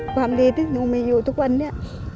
ความดีที่หนูมีอยู่ทุกวันนี้